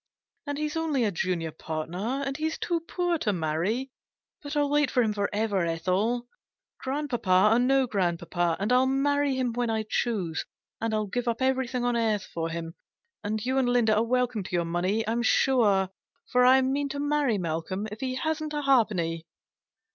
And he's only a junior partner, and he's too poor to marry. But I'll wait for him for ever, Ethel, grandpapa or no 332 GENERAL PASSAVANT'S WILL. grandpapa ; and I'll marry him when I choose. And I'll give up everything on earth for him ; and you and Linda are welcome to your money, I'm sure ; for I mean to marry Malcolm if he hasn't a ha'penny